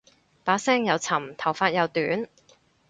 把聲又沉頭髮又短